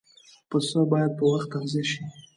پسه باید په وخت تغذیه شي.